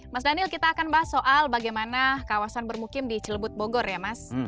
mas daniel kita akan bahas soal bagaimana kawasan bermukim di cilebut bogor ya mas